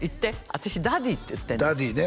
私「ダディ」って言ってんですよ